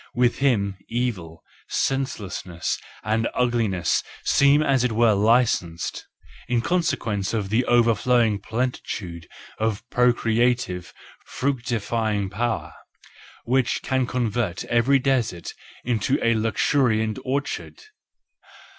With him evil, senselessness and ugliness seem as it were licensed, in consequence of the overflowing plenitude of procreative, fructifying power, which can convert every desert into a luxuriant orchard.